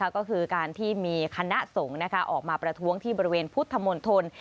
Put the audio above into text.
ก็คือการที่มีคณะสงฆ์ออกมาประท้วงที่บริเวณพุทธมนตร